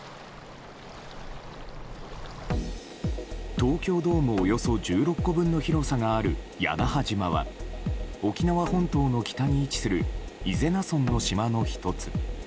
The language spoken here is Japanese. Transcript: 東京ドームおよそ１６個分の広さがある屋那覇島は沖縄本島の北に位置する伊是名村の島の１つ。